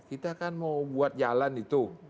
kita kan mau buat jalan itu